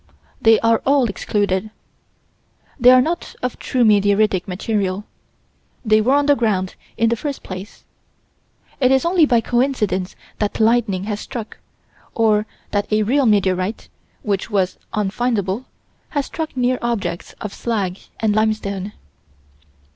They are all excluded. They are not of true meteoritic material. They were on the ground in the first place. It is only by coincidence that lightning has struck, or that a real meteorite, which was unfindable, has struck near objects of slag and limestone.